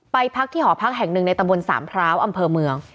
พักที่หอพักแห่งหนึ่งในตำบลสามพร้าวอำเภอเมือง